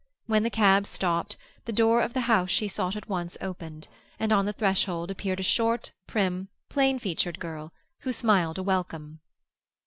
When the cab stopped, the door of the house she sought at once opened, and on the threshold appeared a short, prim, plain featured girl, who smiled a welcome.